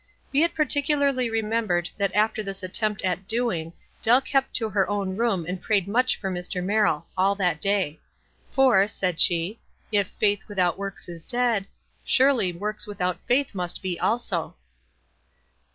Be it particularly remembered that after this attempt at "doing" Dell kept to her own room and prayed much for Mr. Merrill — ail that day. For (said she) , if "faith without works is dead," surely works without faith must be also.